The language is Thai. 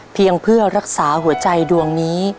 เพียงเพื่อรักษาหัวใจดวงนี้